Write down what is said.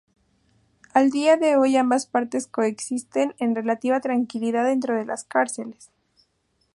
A día de hoy ambas partes coexisten en relativa tranquilidad dentro de las cárceles.